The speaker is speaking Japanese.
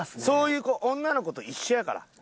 そういう女の子と一緒やから。